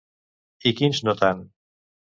I quins no tant?